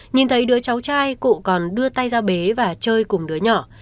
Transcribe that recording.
nhìn thấy đứa cháu trai cụ còn đưa tay ra bé và chơi cùng đứa nhỏ